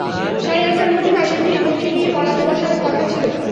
সাড়ে আটটার মধ্যে বাসায় ফিরে বোনকে নিয়ে পড়াতে বসার কথা ছিল।